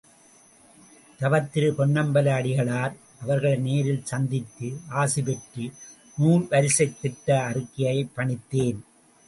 தவத்திரு பொன்னம்பல அடிகளார் அவர்களை நேரில் சந்தித்து ஆசிபெற்று நூல்வரிசைத் திட்ட அறிக்கையைப் பணித்தேன்.